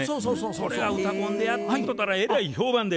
これが「うたコン」でやっとったらえらい評判で。